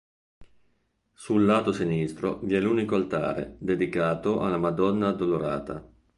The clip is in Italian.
Sul lato sinistro vi è l'unico altare dedicato alla Madonna Addolorata.